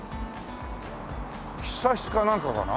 喫茶室かなんかかな？